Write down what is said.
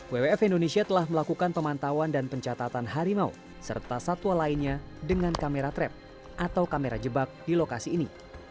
wwf indonesia telah melakukan pemantauan dan pencatatan harimau serta satwa lainnya dengan kamera trap atau kamera jebak di lokasi ini